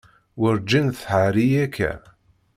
Werǧin tḥar-iyi akka.